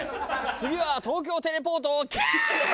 「次は東京テレポート」「キャー！」。